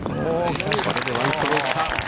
これで１ストローク差。